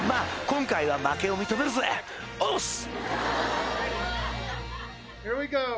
今回は負けを認めるぜ押忍！